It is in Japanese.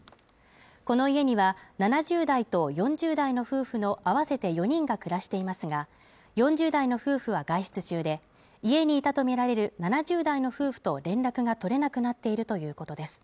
この家には７０代と４０代の夫婦の合わせて４人が暮らしていますが４０代の夫婦は外出中で家にいたとみられる７０代の夫婦と連絡が取れなくなっているということです。